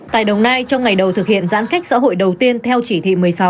tại đồng nai trong ngày đầu thực hiện giãn cách xã hội đầu tiên theo chỉ thị một mươi sáu